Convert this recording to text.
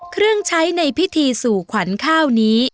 เครื่องใช้ในพิธีสู่ขวัญข้าวนี้